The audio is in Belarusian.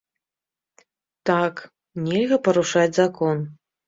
Так, нельга парушаць закон.